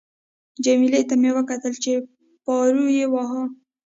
جميله ته مې کتل چې پارو یې واهه.